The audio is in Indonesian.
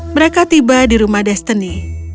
mereka tiba di rumah destenni